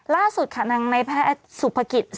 ล่าสุดค่ะนักไว้แพทย์สุขปกิจ